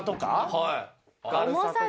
はい。